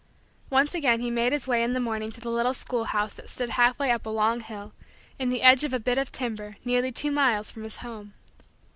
Once again he made his way in the morning to the little schoolhouse that stood half way up a long hill, in the edge of a bit of timber, nearly two miles from his home.